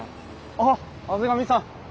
あっ畔上さん。